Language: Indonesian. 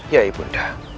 ya ibu nanda